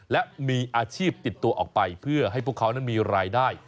และมีอาชีพติดตัวออกไปเพื่อให้พวกเขานั้นมีรายได้